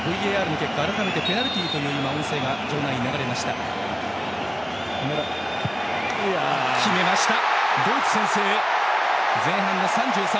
ＶＡＲの結果改めてペナルティーという音声が場内に流れていました。